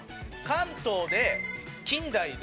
関東で近代で。